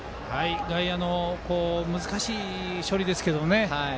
外野の難しい処理ですが。